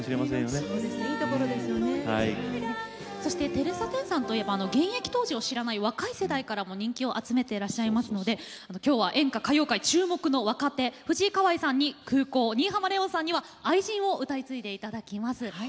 そしてテレサ・テンさんといえば現役当時を知らない若い世代からも人気を集めていらっしゃいますので今日は演歌歌謡界注目の若手藤井香愛さんに「空港」新浜レオンさんには「愛人」を歌い継いでいただきます。